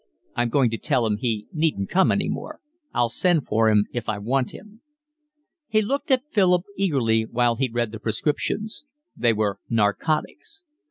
I'm going to tell him he needn't come any more. I'll send for him if I want him." He looked at Philip eagerly while he read the prescriptions. They were narcotics.